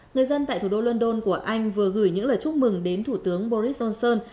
người dân tại thủ đô london của anh vừa gửi những lời chúc mừng đến thủ tướng boris johnson